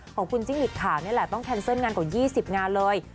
ของคุณจิ้งหลีดขาวนี่แหละต้องแคนเซิลงานกว่า๒๐งานเลย